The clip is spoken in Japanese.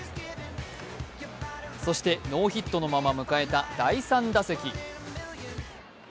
そして、ノーヒットのまま迎えた第３打席。